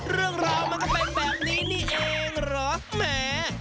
เรื่องราวมันก็เป็นแบบนี้นี่เองเหรอแหม